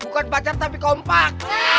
bukan pacar tapi kompak